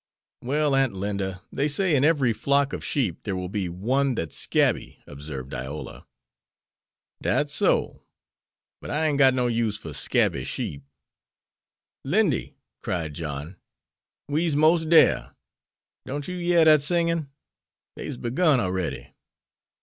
"Well, Aunt Linda, they say in every flock of sheep there will be one that's scabby," observed Iola. "Dat's so! But I ain't got no use fer scabby sheep." "Lindy," cried John, "we's most dar! Don't you yere dat singin'? Dey's begun a'ready."